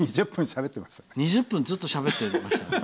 ２０分ずっとしゃべってました。